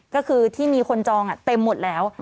ก็คือที่มีคนจองเต็มหมดแล้ว